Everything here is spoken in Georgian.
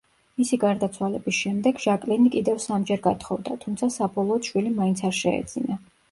მისი გარდაცვალების შემდეგ ჟაკლინი კიდევ სამჯერ გათხოვდა, თუმცა საბოლოოდ შვილი მაინც არ შეეძინა.